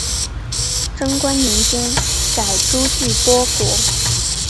贞观年间改朱俱波国。